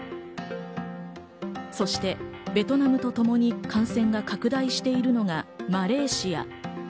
そしてベトナムとともに感染が拡大しているのがマレーシア。